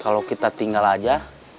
kalau kita tinggal aja